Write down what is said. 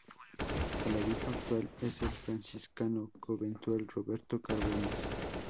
El obispo actual es el franciscano conventual Roberto Carbones.